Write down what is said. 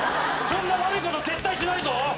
そんな悪いこと絶対しないぞ。